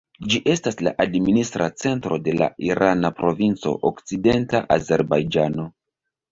Ĝi estas la administra centro de la irana provinco Okcidenta Azerbajĝano.